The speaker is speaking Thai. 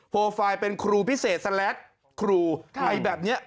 โปรไฟล์เป็นครูพิเศษคลูไอแบบนี้